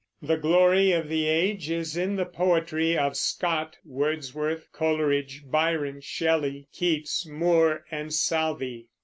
The glory of the age is in the poetry of Scott, Wordsworth, Coleridge, Byron, Shelley, Keats, Moore, and Southey.